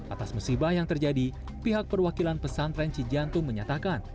atas musibah yang terjadi pihak perwakilan pesantren cijantung menyatakan